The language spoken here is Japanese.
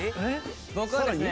僕はですね。